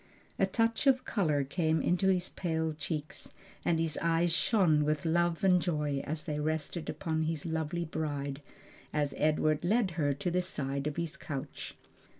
A touch of color came into his pale cheeks, and his eyes shone with love and joy as they rested upon his lovely bride, as Edward led her to the side of his couch.